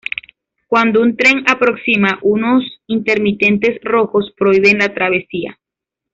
Cuando un tren aproxima, unos intermitentes rojos prohíben la travesía.